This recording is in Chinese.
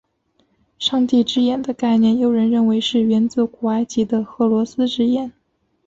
上帝之眼的概念有人认为是源自古埃及的荷鲁斯之眼。